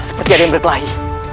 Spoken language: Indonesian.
seperti ada yang berkelahi